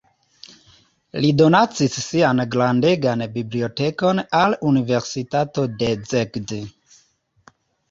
Li donacis sian grandegan bibliotekon al universitato de Szeged.